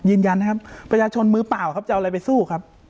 ยืนยันนะครับประชาชนมือเปล่าครับจะเอาอะไรไปสู้ครับ